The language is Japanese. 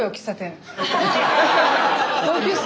同級生。